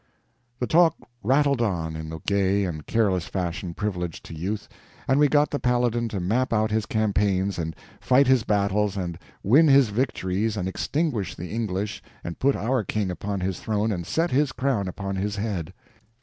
The talk rattled on in the gay and careless fashion privileged to youth, and we got the Paladin to map out his campaigns and fight his battles and win his victories and extinguish the English and put our King upon his throne and set his crown upon his head.